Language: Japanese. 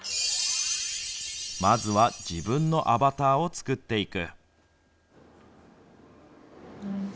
まずは自分のアバターを作っていく。